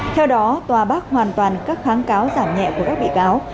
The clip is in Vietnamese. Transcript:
theo đó tòa bác hoàn toàn các kháng cáo giảm nhẹ của các bị cáo